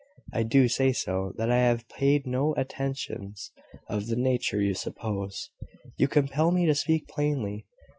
"I do say so; that I have paid no attentions of the nature you suppose. You compel me to speak plainly."